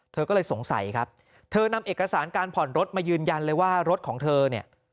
เธอก็เลยสงสัยครับเธอนำเอกสารการผ่อนรถมายืนยันเลยว่ารถของเธอเนี่ย